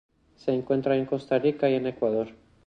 Se encuentra en Costa Rica y en Ecuador.